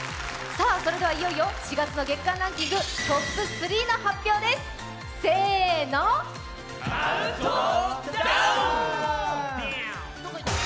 それではいよいよ４月の月間ランキングトップ３の発表ですカウントダウン！